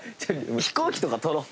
飛行機とか取ろう。